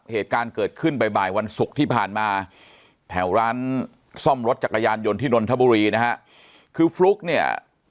เหตุการณ์เกิดขึ้นบ่ายวันศุกร์ที่ผ่านมาแถวร้านซ่อมรถจักรยานยนต์ที่นนทบุรีนะฮะคือฟลุ๊กเนี่ย